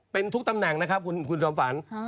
เป็นทุกตำแหน่งนะครับคุณจอมฝัน